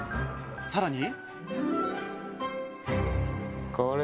さらに。